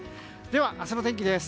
では、明日の天気です。